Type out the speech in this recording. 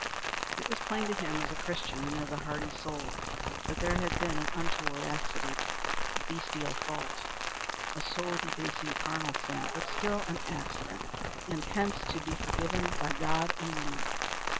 It was plain to him, as a Christian and as a hearty soul, that there had been an untoward accident a bestial fault, a soul debasing carnal sin, but still an accident, and hence to be forgiven by God and woman.